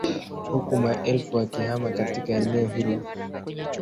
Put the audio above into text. huku maelfu wakihama katika eneo hilo